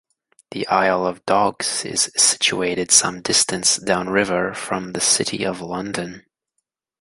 The Isle of Dogs is situated some distance downriver from the City of London.